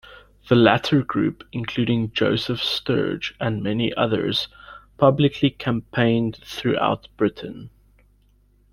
The latter group, including Joseph Sturge and many others, publicly campaigned throughout Britain.